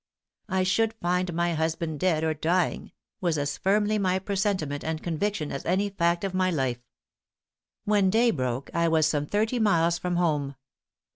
I should find my husband dead or dying was as firmly my presentiment and conviction as any fact of my life. When day broke I was some thirty miles from home.